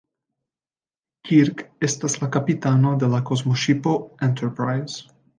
Kirk estas la kapitano de la kosmoŝipo Enterprise.